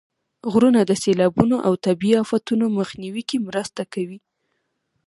غرونه د سیلابونو او طبیعي افتونو مخنیوي کې مرسته کوي.